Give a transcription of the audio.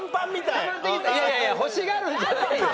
いやいやいや欲しがるんじゃないよ。